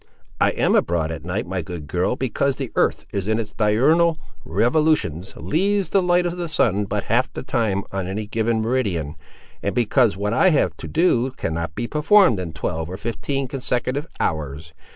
"I am abroad at night, my good girl, because the earth in its diurnal revolutions leaves the light of the sun but half the time on any given meridian, and because what I have to do cannot be performed in twelve or fifteen consecutive hours.